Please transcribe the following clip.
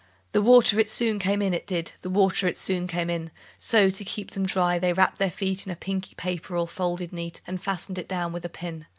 The water it soon came in, it did; The water it soon came in: So, to keep them dry, they wrapped their feet In a pinky paper all folded neat; And they fastened it down with a pin.